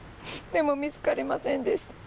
でも見つかりませんでした。